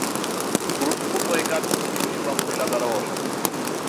গুরুত্বপূর্ণ এ কাজ কোন শিশু বা মহিলা দ্বারাও অসম্ভব।